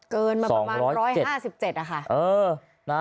เกินมาประมาณ๑๕๗นะคะ